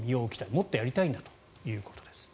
もっとやりたいんだということです。